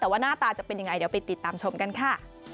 แต่ว่าหน้าตาจะเป็นยังไงเดี๋ยวไปติดตามชมกันค่ะ